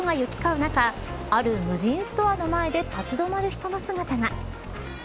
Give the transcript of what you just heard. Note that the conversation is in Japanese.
中ある無人ストアの前で立ち止まる人の姿が。